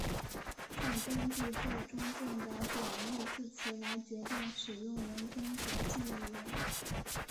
再根据这中介的表义字词来决定使用人工国际语言。